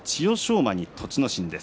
馬に栃ノ心です。